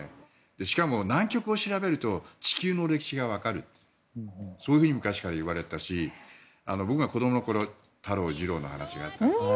しかも南極を調べると地球の歴史がわかるとそういうふうに昔からいわれていたし僕が子どもの頃は太郎、次郎の話があってね